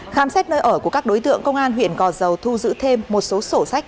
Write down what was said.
khám xét nơi ở của các đối tượng công an huyện gò dầu thu giữ thêm một số sổ sách